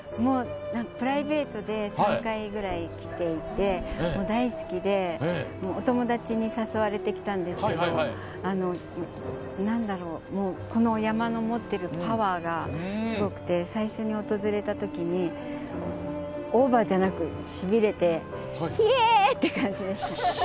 プライベートで３回ぐらい来ていて大好きでお友達に誘われて来たんですけどこの山の持っているパワーがすごくて最初に訪れたときにオーバーじゃなくて、しびれてひえ！って感じでした。